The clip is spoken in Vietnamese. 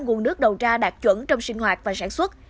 nguồn nước đầu ra đạt chuẩn trong sinh hoạt và sản xuất